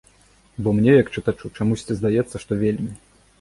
Бо мне, як чытачу, чамусьці здаецца, што вельмі.